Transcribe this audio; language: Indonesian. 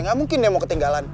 ga mungkin deh mau ketinggalan